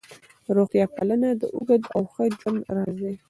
روغتیا پالنه د اوږد او ښه ژوند راز دی.